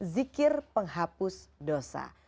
zikir penghapus dosa